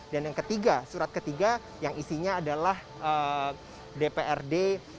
dan yang ketiga surat ketiga yang isinya adalah dprd